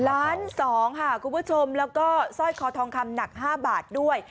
ล้านสองค่ะคุณผู้ชมแล้วก็สร้อยคอทองคำหนัก๕บาทด้วย